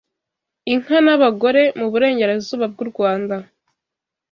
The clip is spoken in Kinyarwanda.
inka n’abagore mu burengerazuba bw’u Rwanda